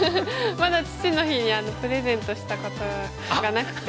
まだ父の日にはプレゼントしたことがなくて。